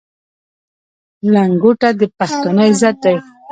لنګوټه د پښتانه عزت دی.